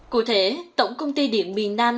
cụ thể tổng công ty điện miền nam